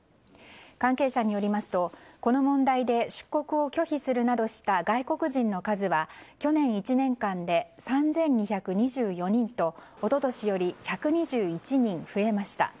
関係者によりますと、この問題で出国を拒否するなどした外国人の数は去年１年間で３２２４人と一昨年より１２１人増えました。